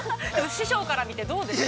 ◆師匠から見てどうでしたか。